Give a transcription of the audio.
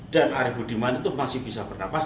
dan arief budiman itu masih bisa bernafas